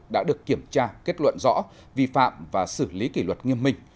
đã được kiểm tra kết luận rõ vi phạm và xử lý kỷ luật nghiêm minh